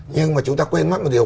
nhưng mà chúng ta quên mất một điều